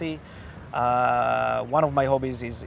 salah satu hobi saya adalah